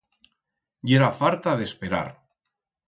Yera farta d'esperar.